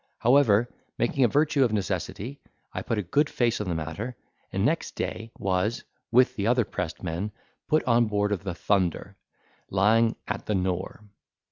However, making a virtue of necessity, I put a good face on the matter, and next day, was, with the other pressed men, put on board of the "Thunder," lying at the Nore.